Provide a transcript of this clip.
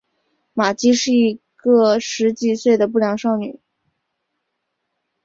玛姬是一个十几岁的不良少女。